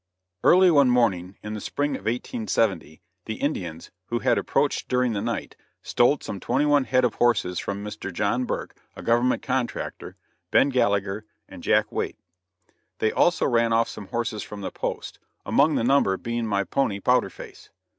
Early one morning, in the spring of 1870, the Indians, who had approached during the night, stole some twenty one head of horses from Mr. John Burke a Government contractor Ben. Gallagher and Jack Waite. They also ran off some horses from the post; among the number being my pony Powder Face.